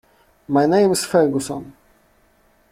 My name's Ferguson.